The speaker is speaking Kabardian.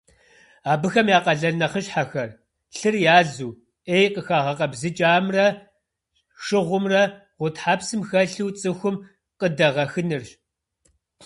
Абыхэм я къалэн нэхъыщхьэр - лъыр язу, ӏей къыхагъэкъэбзыкӏамрэ шыгъумрэ гъутхьэпсым хэлъу цӏыхум къыдэгъэхынырщ.